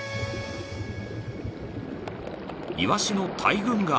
［イワシの大群が］